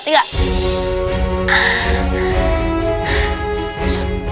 pindah ke luar